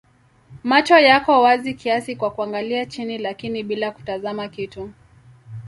Macho yako wazi kiasi kwa kuangalia chini lakini bila kutazama kitu.